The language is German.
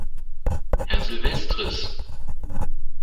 Herr Silvestris!